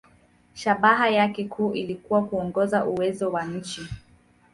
Shabaha yake kuu ilikuwa kuongeza uwezo wa nchi.